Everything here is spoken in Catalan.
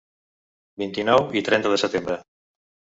Vint-i-nou i trenta de setembre.